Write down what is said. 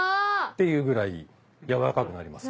ていうくらいやわらかくなります。